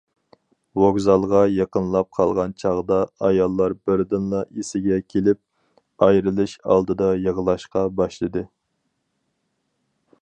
ۋوگزالغا يېقىنلاپ قالغان چاغدا ئاياللار بىردىنلا ئېسىگە كېلىپ، ئايرىلىش ئالدىدا يىغلاشقا باشلىدى.